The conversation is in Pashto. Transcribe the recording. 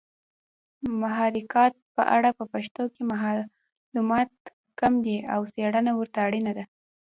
محاکات په اړه په پښتو کې معلومات کم دي او څېړنه ورته اړینه ده